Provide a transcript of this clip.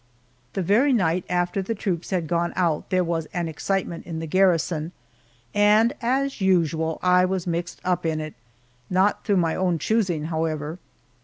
The very night after the troops had gone out there was an excitement in the garrison, and, as usual, I was mixed up in it, not through my own choosing, however.